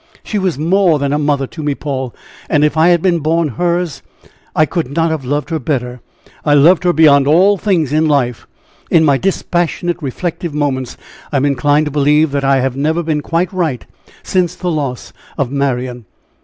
She was more than a mother to me, Paul; and if I had been born hers, I could not have loved her better I loved her beyond all things in life. In my dispassionate, reflective moments. I am inclined to believe that I have never been quite right since the loss of Marian.